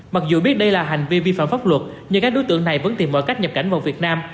mặc dù biết đây là hành vi vi phạm pháp luật nhưng các đối tượng này vẫn tìm mọi cách nhập cảnh vào việt nam